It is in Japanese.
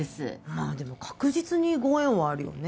まあでも確実にご縁はあるよね